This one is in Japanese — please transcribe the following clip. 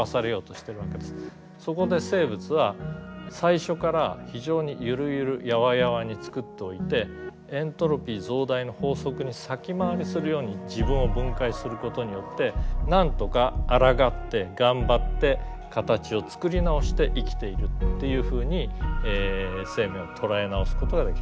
そこで生物は最初から非常にゆるゆるやわやわに作っておいてエントロピー増大の法則に先回りするように自分を分解することによってなんとかあらがって頑張って形を作り直して生きているっていうふうに生命を捉え直すことができる。